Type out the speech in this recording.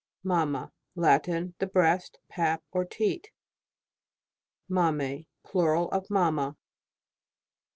MAMMA. Latin. The breast, pap, or teat. MAMMAE. Plural of mamma.